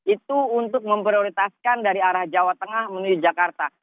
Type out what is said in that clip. itu untuk memprioritaskan dari arah jawa tengah menuju jakarta